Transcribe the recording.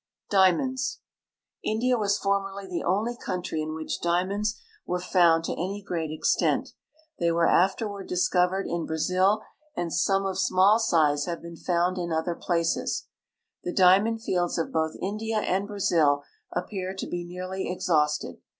DIAMONDS India was formerly the onl}' countr}un which diamonds were found to any great extent. They were afterward discovered in Brazil, and some of small size have been found in other jilaces. The diamond fields of both India and Brazil appear to be nearly exhausted.